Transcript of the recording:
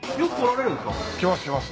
来ます来ます。